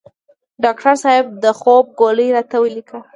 ډاکټر صیب د خوب ګولۍ راته ولیکه